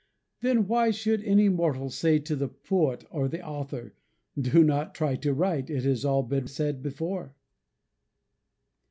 Then why should any mortal say to the poet or the author, "Do not try to write it has all been said before."